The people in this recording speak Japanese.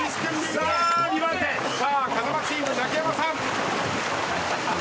風間チームザキヤマさん。